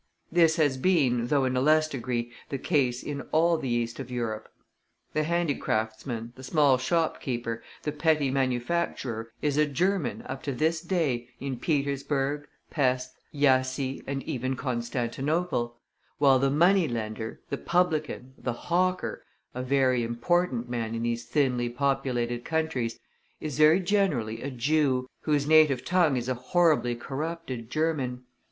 This has been, though in a less degree, the case in all the east of Europe. The handicraftsman, the small shopkeeper, the petty manufacturer, is a German up to this day in Petersburg, Pesth, Jassy, and even Constantinople; while the money lender, the publican, the hawker a very important man in these thinly populated countries is very generally a Jew, whose native tongue is a horribly corrupted German.